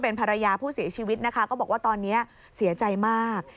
เป็นภรรยาผู้เสียชีวิตนะคะก็บอกว่าตอนนี้เสียใจมาก